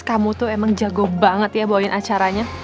kamu tuh emang jago banget ya bawain acaranya